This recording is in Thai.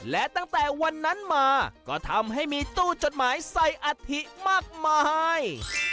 และตั้งแต่วันนั้นมาก็ทำให้มีตู้จดหมายใส่อัฐิมากมาย